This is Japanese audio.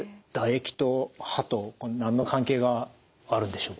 唾液と歯と何の関係があるんでしょうか？